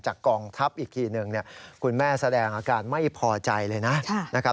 จากกองทัพอีกทีหนึ่งคุณแม่แสดงอาการไม่พอใจเลยนะ